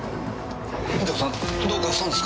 右京さんどうかしたんですか？